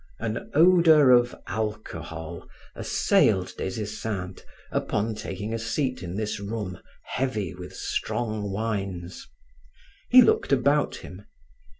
An odor of alcohol assailed Des Esseintes upon taking a seat in this room heavy with strong wines. He looked about him.